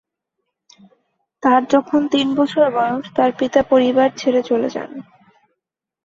তার যখন তিন বছর বয়স, তার পিতা পরিবার ছেড়ে চলে যান।